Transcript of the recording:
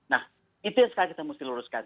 nah itu yang sekarang kita mesti luruskan